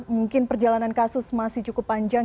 mungkin perjalanan kasus masih cukup panjang